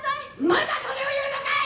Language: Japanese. まだそれを言うのかい！！